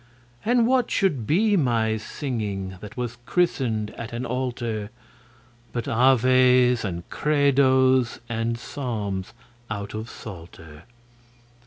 And what should be my singing, that was christened at an altar, But Aves and Credos and Psalms out of Psalter?